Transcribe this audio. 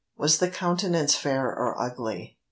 Was the countenance fair or ugly?